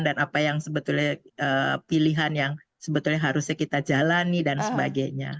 dan apa yang sebetulnya pilihan yang sebetulnya harusnya kita jalani dan sebagainya